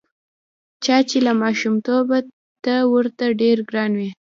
چا چې له ماشومتوبه ته ورته ډېر ګران وې.